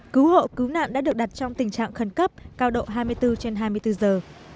cứu hộ cứu nạn đã được đặt trong tình trạng khẩn cấp cao độ hai mươi bốn trên hai mươi bốn giờ